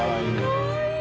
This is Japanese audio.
かわいい！